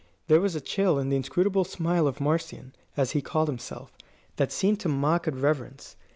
There was a chill in the inscrutable smile of Marcion, as he called himself, that seemed to mock at reverence.